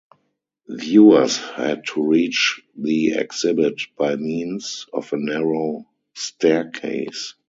Viewers had to reach the exhibit by means of a narrow staircase.